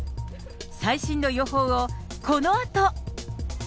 最新の予報をこのあと。